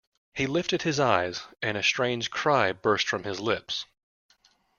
He lifted his eyes, and a strange cry burst from his lips.